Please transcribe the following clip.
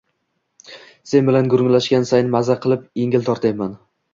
Sen bilan gurunglashgan sayin mazza qilib engil tortayapman